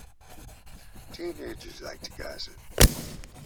Teenagers like to gossip.